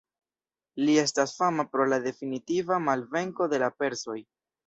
Li estas fama pro la definitiva malvenko de la persoj.